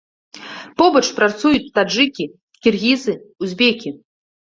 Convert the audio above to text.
Побач працуюць таджыкі, кіргізы, узбекі.